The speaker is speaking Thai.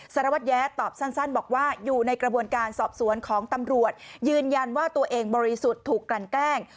สารวัตรแย้ตอบสั้นบอกว่าอยู่ในกระบวนการสอบสวนของตำรวจยืนยันว่าตัวเองบริสุทธิ์ถูกกลั่นแกล้ง